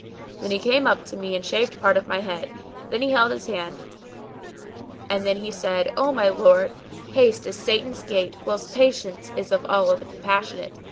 Then he came up to me and shaved part of my head; then he held his hand and then he said, "O my lord, haste is Satan's gait whilst patience is of Allah the Compassionate.